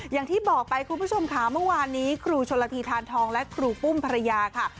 อย่างที่บอกไปคุณผู้ชมค่ะเมื่อวานนี้ครูชนละทีทานทองและครูปุ้มภรรยาค่ะ